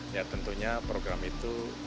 ya tentunya program itu